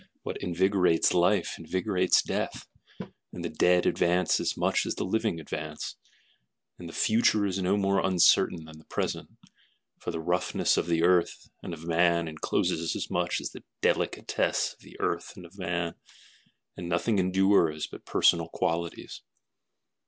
What invigorates life invigorates death, And the dead advance as much as the living advance, And the future is no more uncertain than the present, For the roughness of the earth and of man encloses as much as the delicatesse of the earth and of man, And nothing endures but personal qualities.